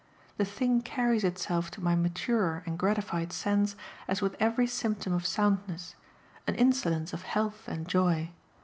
The thing carries itself to my maturer and gratified sense as with every symptom of soundness, an insolence of health and joy.